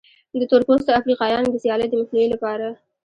د تور پوستو افریقایانو د سیالۍ د مخنیوي لپاره.